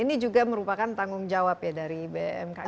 ini juga merupakan tanggung jawab dari bmk